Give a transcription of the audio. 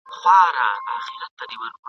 پښې چي مي مزلونو شوړولې اوس یې نه لرم !.